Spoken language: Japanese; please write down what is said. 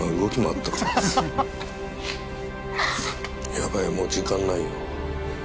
やばいもう時間ないよ。